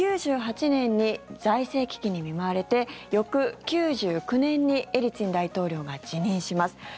９８年に財政危機に見舞われて翌９９年にエリツィン大統領が辞任します。